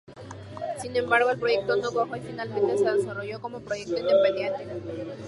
Sin embargo el proyecto no cuajó y finalmente se desarrolló como proyecto independiente.